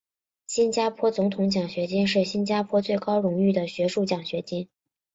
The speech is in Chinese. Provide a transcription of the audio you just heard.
新加坡总统奖学金是新加坡最高荣誉的学术奖学金。